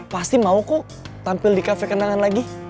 pasti mau kok tampil di kafe kenangan lagi